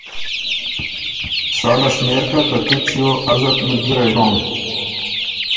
ساله شمېر کَۀ که تُو چیو ازت ملګِرئ هوم